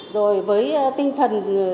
rồi với tinh thần